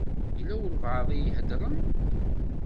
Yella walebɛaḍ i iheddṛen.